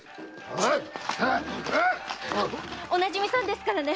お馴染みさんですからね。